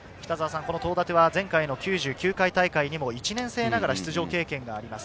前回９９回大会にも１年生ながら出場経験があります。